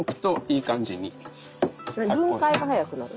分解が早くなる？